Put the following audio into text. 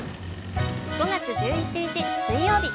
５月１１日水曜日。